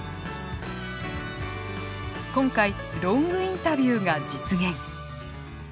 今回ロングインタビューが実現。